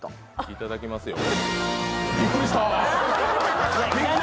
いただきますよ。